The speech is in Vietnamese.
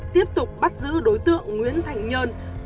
tiếp tục bắt giữ đối tượng nguyễn thành nhơn